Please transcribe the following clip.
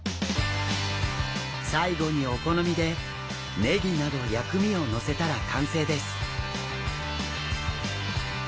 最後にお好みでネギなど薬味をのせたら完成です。